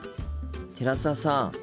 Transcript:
寺澤さん。